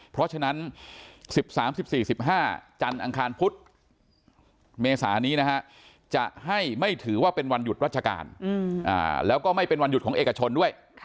เพราะฉะนั้น๑๓๑๔๑๕จันทร์อังคารพุธเมษานี้นะฮะจะให้ไม่ถือว่าเป็นวันหยุดราชการแล้วก็ไม่เป็นวันหยุดของเอกชนด้วย